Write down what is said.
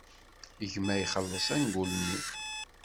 Gma ixelleṣ angul-nni.